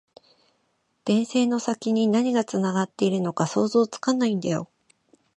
電線の先に何がつながっているのか想像つかないんだよ